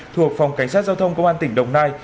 thuộc phòng cảnh sát giao thông công an tỉnh đồng nai